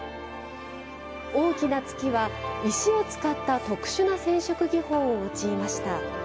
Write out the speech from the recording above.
大きな月は石を使った特殊な染色技法を用いました。